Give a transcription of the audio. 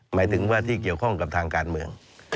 หมายถึงว่าที่เกี่ยวข้องกับทางการเมือง